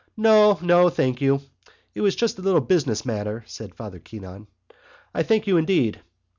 "No, no, thank you. It was just a little business matter," said Father Keon. "Thank you, indeed."